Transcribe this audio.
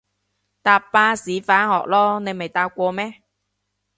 搭巴士返學囉，你未搭過咩？